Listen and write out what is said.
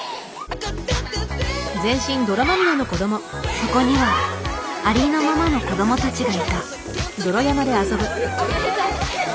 そこには「ありのまま」の子どもたちがいた。